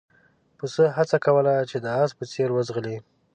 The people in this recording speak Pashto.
پسه هڅه کوله چې د اس په څېر وځغلي.